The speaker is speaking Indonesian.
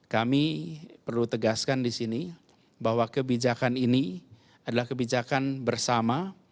kami perlu tegaskan di sini bahwa kebijakan ini adalah kebijakan bersama